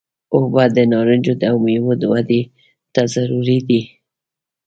اوبه د نارنجو او میوو ودې ته ضروري دي.